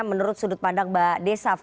menurut sudut pandang mbak desaf